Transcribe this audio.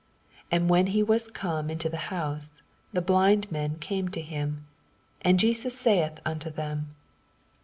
28 And when he was come into the honse. the blind men came to him: and JesQS saith nnto them.